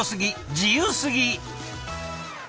自由すぎ！